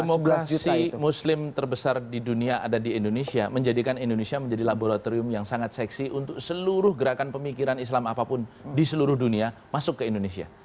lima belas juli muslim terbesar di dunia ada di indonesia menjadikan indonesia menjadi laboratorium yang sangat seksi untuk seluruh gerakan pemikiran islam apapun di seluruh dunia masuk ke indonesia